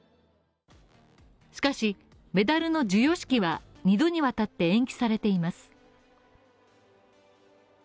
しかし、メダルの授与式は２度にわたって延期されています。